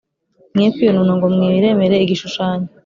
mwe kwiyonona ngo mwiremere igishushanyo